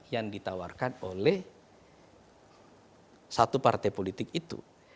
yang ditawarkan oleh satu partai politik itu